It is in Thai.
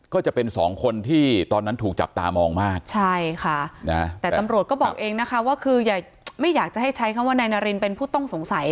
ก็จะเป็นสองคนที่ตอนนั้นถูกจับตามองมากใช่ค่ะนะแต่ตำรวจก็บอกเองนะคะว่าคืออย่าไม่อยากจะให้ใช้คำว่านายนารินเป็นผู้ต้องสงสัย